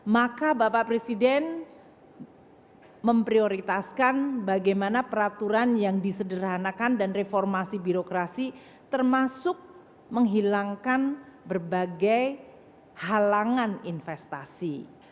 maka bapak presiden memprioritaskan bagaimana peraturan yang disederhanakan dan reformasi birokrasi termasuk menghilangkan berbagai halangan investasi